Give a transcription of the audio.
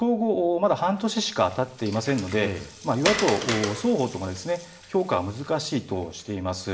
まだ半年しかたっていませんので与野党双方とも評価は難しいとしています。